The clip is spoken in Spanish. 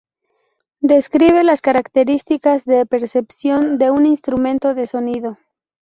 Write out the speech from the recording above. Describe las características de percepción de un instrumento de sonido.